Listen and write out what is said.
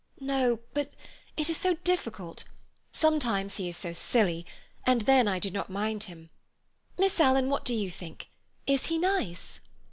"No; but it is so difficult. Sometimes he is so silly, and then I do not mind him. Miss Alan, what do you think? Is he nice?"